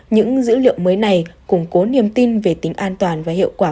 những dữ liệu mới này củng cố niềm tin về tính an toàn và hiệu quả